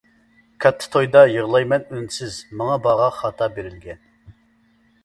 كاتتا تويدا يىغلايمەن ئۈنسىز، ماڭا باغاق خاتا بېرىلگەن.